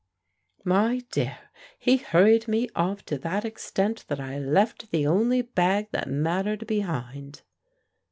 "My dear, he hurried me off to that extent that I left the only bag that mattered behind."